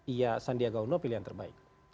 iya sandiaga uno pilihan terbaik